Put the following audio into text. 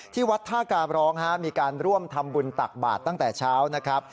ที่วัดท่ากาบร้องมีการร่วมทำบุญตักบาทตั้งแต่เช้านะครับ